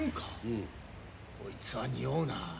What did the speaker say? うん。こいつはにおうな。